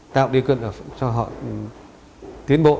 tạo đi cân cho họ tiến bộ